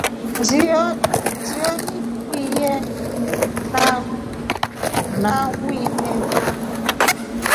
Njio nikuye nawinde.